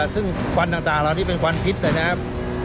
ซึ่งควันต่างเหล่านี้เป็นควันพิษนะครับ